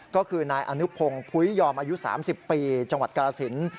ก็คือนายอนุพงศ์พุยยอมอายุ๓๐ปีจังหวัดกรสิน